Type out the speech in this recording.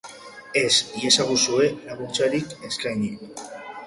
Ez iezaguzue laguntzarik eskaini